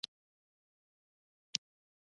مصنوعي ځیرکتیا د انساني هڅو ملاتړ کوي.